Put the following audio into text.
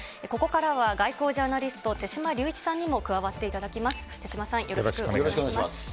ここからは、外交ジャーナリスト、手嶋龍一さんにも加わっていただきます。